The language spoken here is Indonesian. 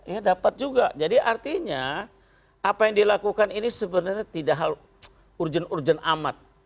ya dapat juga jadi artinya apa yang dilakukan ini sebenarnya tidak urgen urgen amat